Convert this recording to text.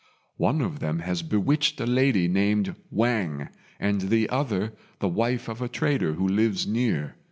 "One of them has bewitched a lady named Wang; and the other, the wife of a trader who lives near.